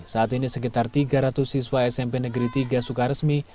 saat ini sekitar tiga ratus siswa smp negeri tiga sukaresmi